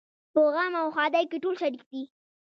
په غم او ښادۍ کې ټول شریک دي.